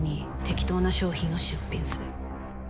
適当な商品を出品する